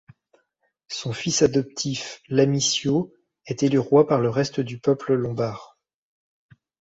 Son fils adoptif Lamissio est élu roi par le reste du peuple lombard.